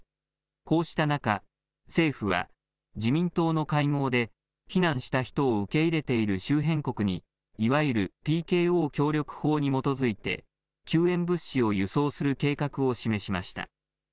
こうした中、政府は自民党の会合で、避難した人を受け入れている周辺国に、いわゆるＰＫＯ協力法に基づいて、救援物資を輸送する計画を示しました。